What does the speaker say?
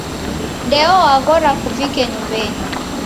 Ndeo waghora kuvike nyumbenyi.